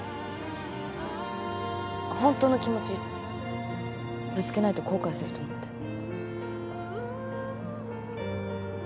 ホントの気持ちぶつけないと後悔すると思って。